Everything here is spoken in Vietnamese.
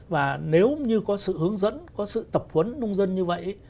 và nếu như có sự hướng dẫn có sự tập huấn nông dân như vậy